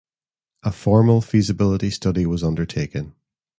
A formal feasibility study was undertaken.